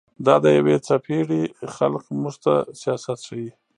دا د يوې څپېړي خلق موږ ته سياست ښيي